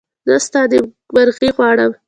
زه ستا نېکمرغي غواړم.